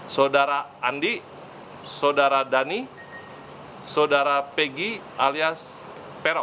saudara andi saudara dhani saudara pegi alias peron